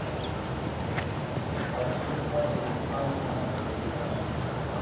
A som aloo anyuu likɔt li nzaan.